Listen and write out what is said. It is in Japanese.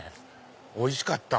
おいしかった。